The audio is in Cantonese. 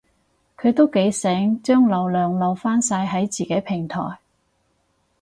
佢都幾醒，將流量留返晒喺自己平台